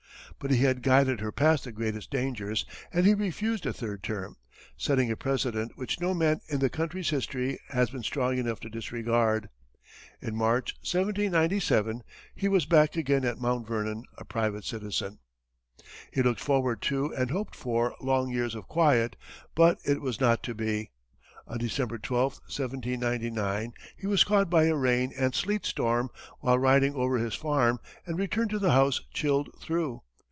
But he had guided her past the greatest dangers, and he refused a third term, setting a precedent which no man in the country's history has been strong enough to disregard. In March, 1797, he was back again at Mount Vernon, a private citizen. He looked forward to and hoped for long years of quiet, but it was not to be. On December 12, 1799, he was caught by a rain and sleet storm, while riding over his farm, and returned to the house chilled through.